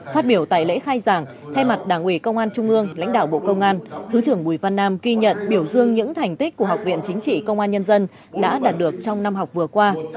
phát biểu tại lễ khai giảng thay mặt đảng ủy công an trung ương lãnh đạo bộ công an thứ trưởng bùi văn nam ghi nhận biểu dương những thành tích của học viện chính trị công an nhân dân đã đạt được trong năm học vừa qua